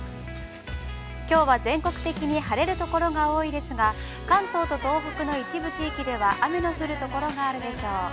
きょうは全国的に晴れるところが多いですが、関東と東北の一部地域では、雨の降るところがあるでしょう。